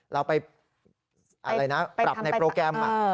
เราไปปรับในโปรแกรม